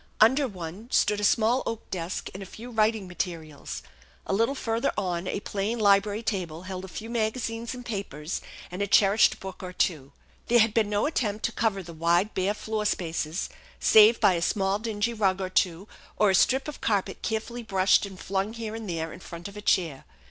Under one stood a small oak desk and a few writing materials. A little further on a plain library table held a few magazines and papers and a cherished book or two. There had been no attempt to cover the wide bare floor spaces, save by a small dingy rug or two or a strip of carpet carefully brushed and flung here and there in front of a chair.